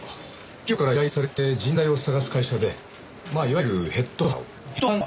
企業から依頼されて人材を探す会社でまあいわゆるヘッドハンターを。